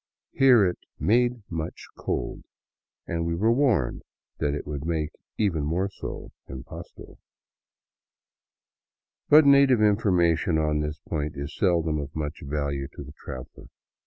Here it " made much cold," and we were warned that it would make even more so in Pasto. But native information on this point is seldom of much value to the traveler.